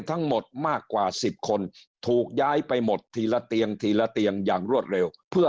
ทั้งหมดมากกว่า๑๐คนถูกย้ายไปหมดทีละเตียงทีละเตียงอย่างรวดเร็วเพื่อ